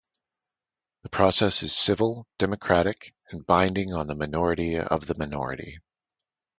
The process is civil, democratic, and binding on the minority of the minority.